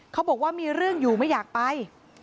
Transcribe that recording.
เขาบอกว่ามีเรื่องอยู่ไม่อยากไป